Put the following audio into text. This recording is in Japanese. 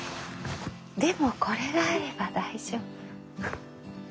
でもこれがあれば大丈夫。